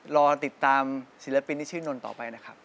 รอติดตามศิลปินที่ชื่อนนท์ต่อไปนะครับ